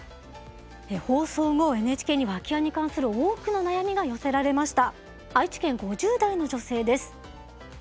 放送後ＮＨＫには空き家に関する多くの悩みが寄せられました。